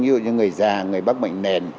như là những người già người bác bệnh nền